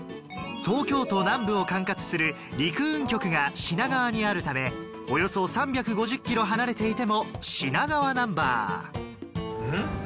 東京都南部を管轄する陸運局が品川にあるためおよそ３５０ｋｍ離れていても品川ナンバーん？